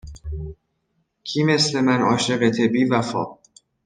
کی مثل من عاشقته بی وفا